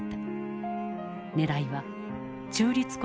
ねらいは中立国